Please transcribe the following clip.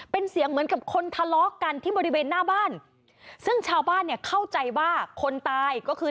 เป็นเสียงเหมือนกับคนทะเลาะกันที่บริเวณหน้าบ้านซึ่งชาวบ้านเนี่ยเข้าใจว่าคนตายก็คือ